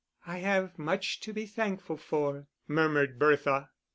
"I have much to be thankful for," murmured Bertha.